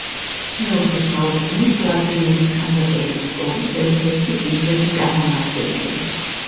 მეოცე საუკუნის ლატვიური ქანდაკების სკოლის ერთ-ერთი პირველი წარმომადგენელი.